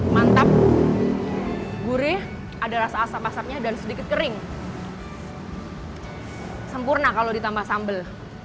mantap gurih ada rasa asap asap nya dan sedikit kering sempurna kalau ditambah sambel